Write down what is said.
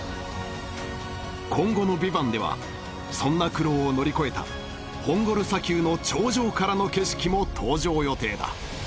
今後の「ＶＩＶＡＮＴ」ではそんな苦労を乗り越えたホンゴル砂丘の頂上からの景色も登場予定だ